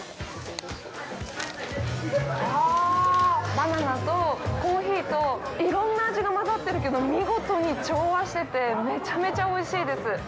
バナナとコーヒーと、いろんな味が混ざってるけど、見事に調和してて、めちゃめちゃおいしいです。